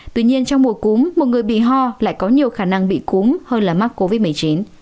tuy nhiên trong mùa cúm một người bị ho lại có nhiều khả năng bị cúm hơn là mắc covid một mươi chín